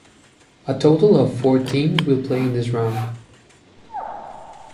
A total of four teams will play in this round.